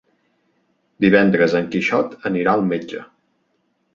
Divendres en Quixot anirà al metge.